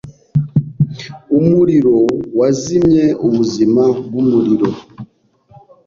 Umuriro wazimye ubuzima bwumuriro.